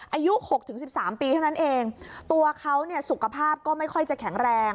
หกถึงสิบสามปีเท่านั้นเองตัวเขาเนี่ยสุขภาพก็ไม่ค่อยจะแข็งแรง